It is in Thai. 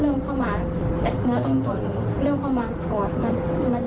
แล้วหนูก็เดินมาเปิดประตูเองเหมือนหนูลากเขาค่ะ